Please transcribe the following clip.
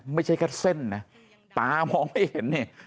ไม่ใช่แค่เส้นนะตามองไม่เห็นเนี่ย